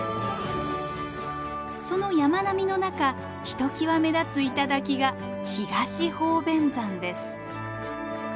その山並みの中ひときわ目立つ頂が東鳳翩山です。